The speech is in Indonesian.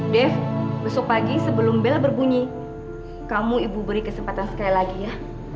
dev besok pagi sebelum bel berbunyi kamu ibu beri kesempatan sekali lagi ya